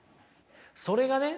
それがね